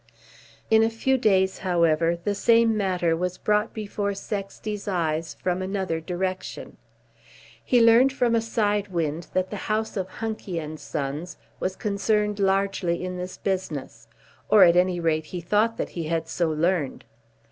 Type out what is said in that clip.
In a few days, however, the same matter was brought before Sexty's eyes from another direction. He learned from a side wind that the house of Hunky and Sons was concerned largely in this business, or at any rate he thought that he had so learned.